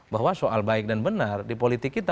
bahwa soal baik dan benar di politik kita